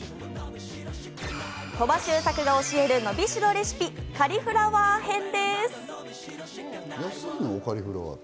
鳥羽周作が教えるのびしろレシピ、カリフラワー編です。